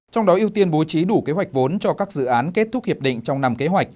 trong đó ưu tiên bố trí đủ kế hoạch vốn cho các dự án kết thúc hiệp định trong năm kế hoạch